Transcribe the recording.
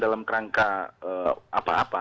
dalam kerangka apa apa